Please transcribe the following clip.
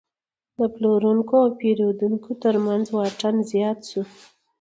د پلورونکو او پیرودونکو ترمنځ واټن زیات شو.